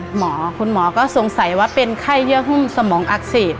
คุณหมอคุณหมอก็สงสัยว่าเป็นไข้เยื่อหุ้มสมองอักเสบ